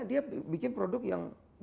dia bikin produk yang